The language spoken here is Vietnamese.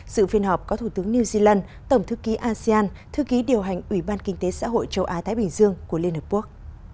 sự phiên họp có thủ tướng new zealand tổng thư ký asean thư ký điều hành ủy ban kinh tế xã hội châu á thái bình dương của liên hợp quốc